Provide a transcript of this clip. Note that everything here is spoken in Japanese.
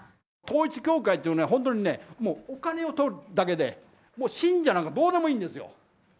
統一教会というのは、本当にね、もうお金を取るだけで、信者なんかどうでもいいんですよ。